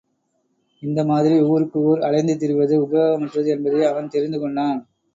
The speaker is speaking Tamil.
இந்த மாதிரி ஊருக்கு ஊர் அலைந்து திரிவது உபயோகமற்றது என்பதை அவன் தெரிந்து கொண்டான்.